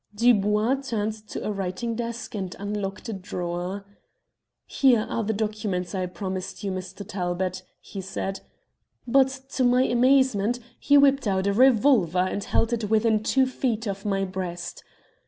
"Dubois turned to a writing desk and unlocked a drawer. "'Here are the documents I promised you, Mr. Talbot,' he said; but, to my amazement, he whipped out a revolver and held it within two feet of my breast.